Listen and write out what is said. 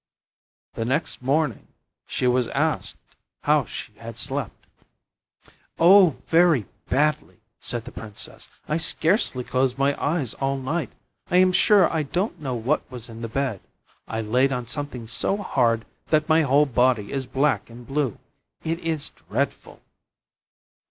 The next morning she was asked how she had slept. 'Oh, very badly!' said the Princess. 'I scarcely closed my eyes all night! I am sure I don't know what was in the bed. I laid on something so hard that my whole body is black and blue. It is dreadful!